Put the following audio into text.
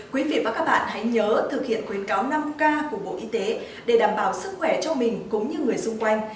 quý vị và các bạn hãy nhớ thực hiện khuyến cáo năm k của bộ y tế để đảm bảo sức khỏe cho mình cũng như người xung quanh